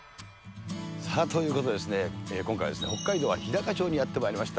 ということでですね、北海道は日高町にやってまいりました。